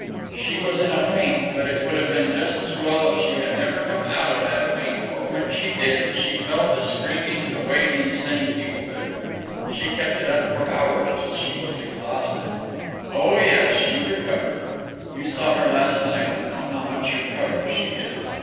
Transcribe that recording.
She was in a faint, but it would have been just as well if she had never come out of that faint; for when she did, she fell to screaming the way insane people do. She kept it up for hours, till she was exhausted. Oh, yes, she recovered. You saw her last night, and know how much recovered she is.